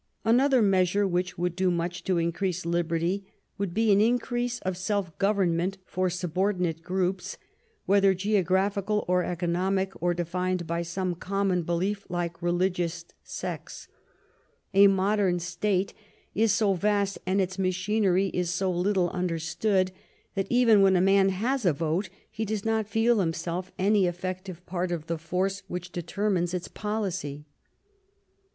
Another measure which would do much to increase liberty would be an increase of self government for subordinate groups, whether geographical or economic or defined by some common belief, like religious sects. A modern state is so vast and its machinery is so little understood that even when a man has a vote he does not feel himself any effective part of the force which determines its policy.